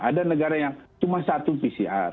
ada negara yang cuma satu pcr